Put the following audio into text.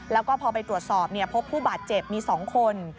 แล้วก็พอไปตรวจสอบพบผู้บาดเจ็บมี๒คน